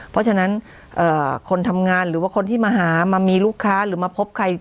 เพราะฉะนั้นคนทำงานหรือว่าคนที่มาหามามีลูกค้าหรือมาพบใคร